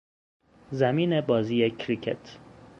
زمین بازی کریکت